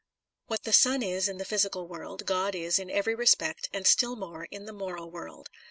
What the sun is in the physical world, God is in every respect, and still more, in the moral world.